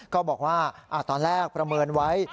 ก็บอกว่าตอนแรกประเมินไว้